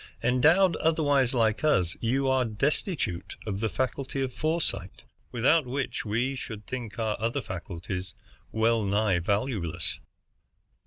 Endowed otherwise like us, you are destitute of the faculty of foresight, without which we should think our other faculties well nigh valueless."